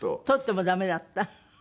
取ってもダメだった？